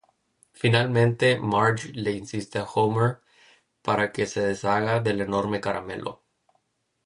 Finalmente, Marge le insiste a Homer para que se deshaga del enorme caramelo.